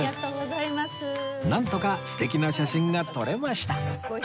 なんとか素敵な写真が撮れました